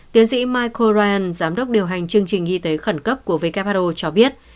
tiến sĩ michael ryan giám đốc điều hành chương trình y tế khẩn cấp của vkpro cho biết